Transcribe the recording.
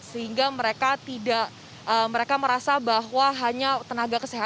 sehingga mereka merasa bahwa hanya tenaga kesehatan